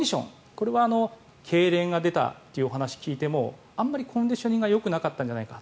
これは、けいれんが出たというお話を聞いてあまりコンディショニングがよくなかったんじゃないか。